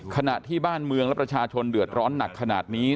ขณะที่บ้านเมืองและประชาชนเดือดร้อนหนักขนาดนี้